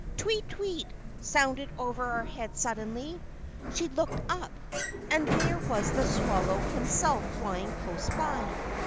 "Tweet! Tweet!" sounded over her head suddenly. She looked up, and there was the swallow himself flying close by.